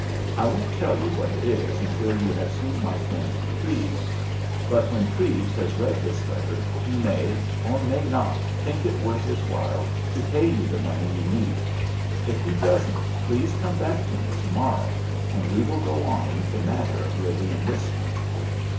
I won't tell you what it is until you have seen my friend Treves. But when Treves has read this letter he may, or may not, think it worth his while to pay you the money you need. If he doesn't, please come back to me to morrow, and we will go on with the matter of your re enlistment."